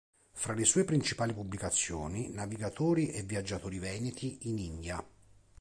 Fra le sue principali pubblicazioni: "Navigatori e Viaggiatori Veneti in India.